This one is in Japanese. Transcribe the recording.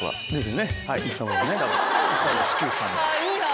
いいなぁ！